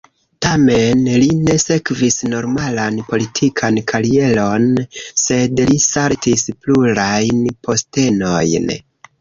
Tamen, li ne sekvis normalan politikan karieron, sed li saltis plurajn postenojn.